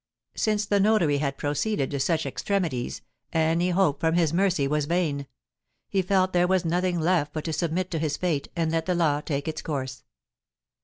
Since the notary had proceeded to such extremities, any hope from his mercy was vain. He felt there was nothing left but to submit to his fate, and let the law take its course.